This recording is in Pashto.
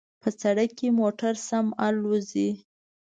په سړک کې موټر سم الوزي